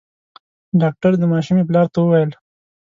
ډاکټر د ماشومي پلار ته وويل :